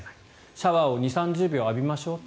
シャワーを２０３０秒浴びましょう。